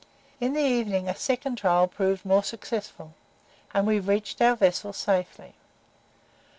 In the evening a second trial proved more successful, and we reached our vessel safely.